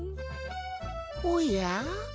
おや？